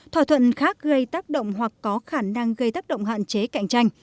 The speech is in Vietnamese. thỏa thuận khác gây tác động hoặc có khả năng gây tác động hạn chế cạnh tranh